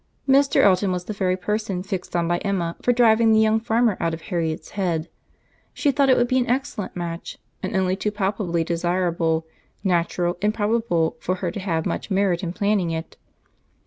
Mr. Elton was the very person fixed on by Emma for driving the young farmer out of Harriet's head. She thought it would be an excellent match; and only too palpably desirable, natural, and probable, for her to have much merit in planning it.